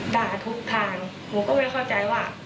ด่าทุกทางหนูก็ไม่เข้าใจว่า